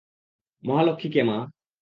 মহালক্ষী কে মা?